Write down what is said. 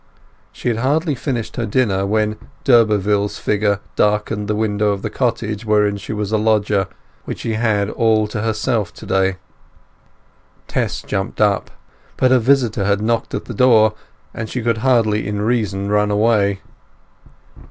She had hardly finished her dinner when d'Urberville's figure darkened the window of the cottage wherein she was a lodger, which she had all to herself to day. Tess jumped up, but her visitor had knocked at the door, and she could hardly in reason run away.